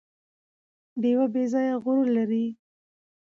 ډیوه بې ځايه غرور لري